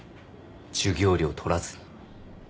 授業料取らずに。